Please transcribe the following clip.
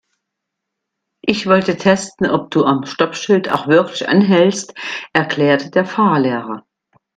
Ich wollte testen, ob du am Stoppschild auch wirklich anhältst, erklärte der Fahrlehrer.